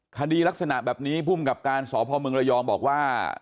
คดีลักษณะแบบนี้ภูมิกับการสพเมืองระยองบอกว่า